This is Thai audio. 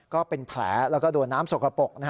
ก็เป็นแผลแล้วก็โดนน้ำสกปรก